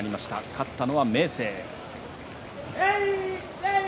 勝ったのは明生。